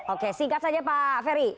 oke singkat saja pak ferry